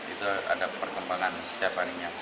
itu ada perkembangan setiap harinya